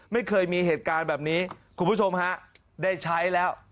ไม่เคยมีเหตุการณ์แบบนี้คุณผู้ชมฮะได้ใช้แล้ว